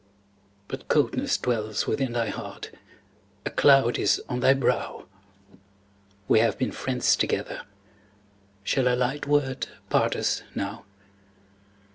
But coldness dwells within thy heart, A cloud is on thy brow; We have been friends together, Shall a light word part us now?